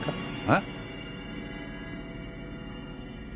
えっ！？